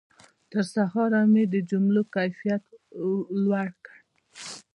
تر سهاره مې د جملو کیفیت لوړ کړ.